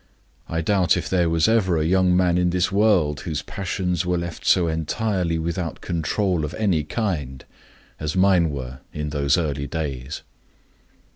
I doubt if there was ever a young man in this world whose passions were left so entirely without control of any kind as mine were in those early days.